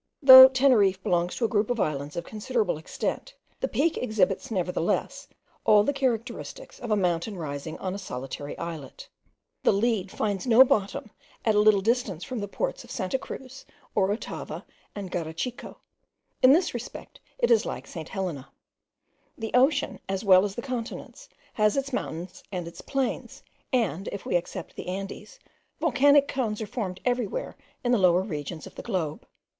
Though Teneriffe belongs to a group of islands of considerable extent, the Peak exhibits nevertheless all the characteristics of a mountain rising on a solitary islet. The lead finds no bottom at a little distance from the ports of Santa Cruz, Orotava, and Garachico: in this respect it is like St. Helena. The ocean, as well as the continents, has its mountains and its plains; and, if we except the Andes, volcanic cones are formed everywhere in the lower regions of the globe.